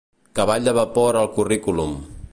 Cavall de vapor al currículum.